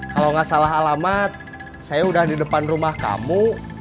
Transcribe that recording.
kalau nggak salah alamat saya udah di depan rumah kamu